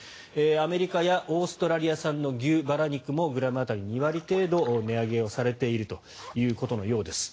アメリカやオーストラリア産の牛ばら肉もグラム当たり２割程度値上げされているようです。